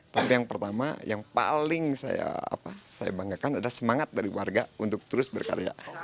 tapi yang pertama yang paling saya banggakan adalah semangat dari warga untuk terus berkarya